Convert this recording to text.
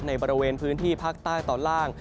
ในบริเวณพื้นที่ภาคใต้ตอนล่าง